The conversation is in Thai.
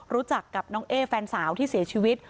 รู้จักกับน้องเอ๊แฟนสาวที่เสียชีวิต